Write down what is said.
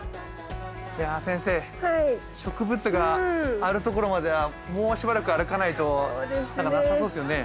いや先生植物があるところまではもうしばらく歩かないとなさそうですよね。